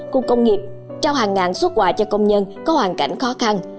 khu công nghiệp trao hàng ngàn xuất quà cho công nhân có hoàn cảnh khó khăn